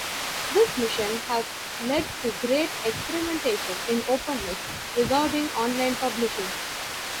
This mission has led to great experimentation in openness regarding online publishing.